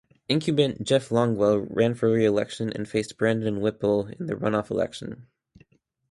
Incumbent Jeff Longwell ran for reelection and faced Brandon Whipple in the runoff election.